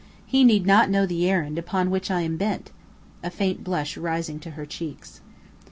He need not know the errand upon which I am bent," a faint blush rising to her cheeks.